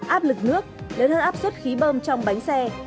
áp lực nước lớn hơn áp suất khí bơm trong bánh xe